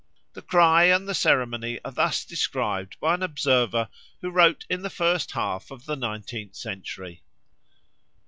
The cry and the ceremony are thus described by an observer who wrote in the first half of the nineteenth century.